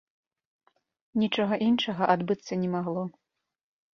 Нічога іншага адбыцца не магло.